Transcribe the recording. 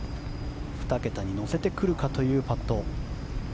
２桁に乗せてくるかというパット。